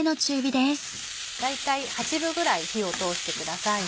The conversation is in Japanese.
大体８分ぐらい火を通してください。